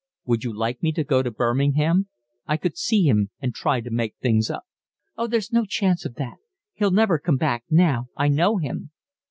"Would you like me to go to Birmingham? I could see him and try to make things up." "Oh, there's no chance of that. He'll never come back now, I know him."